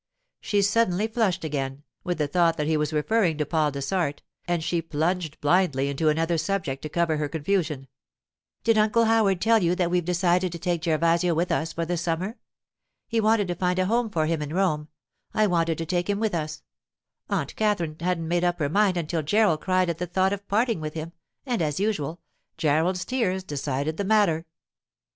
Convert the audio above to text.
She suddenly flushed again, with the thought that he was referring to Paul Dessart, and she plunged blindly into another subject to cover her confusion. 'Did Uncle Howard tell you that we have decided to take Gervasio with us for the summer? He wanted to find a home for him in Rome; I wanted to take him with us; Aunt Katherine hadn't made up her mind until Gerald cried at the thought of parting with him, and, as usual, Gerald's tears decided the matter.